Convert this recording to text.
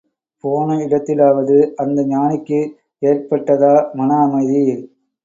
போன இடத்திலாவது அந்த ஞானிக்கு ஏற்பட்டதா மன அமைதி?